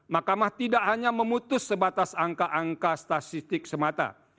mahkamah tidak hanya memutus sebatas angka angka statistik semata